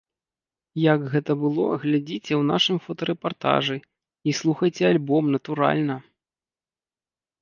Як гэта было, глядзіце ў нашым фотарэпартажы, і слухайце альбом, натуральна!